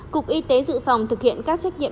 cục y tế dự phòng thực hiện các trách nhiệm